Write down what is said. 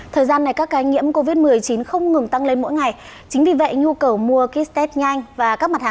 thời gian này các cái nghiễm covid một mươi chín không ngừng tăng lên mỗi ngày chính vì vậy nhu cầu mua kit test nhanh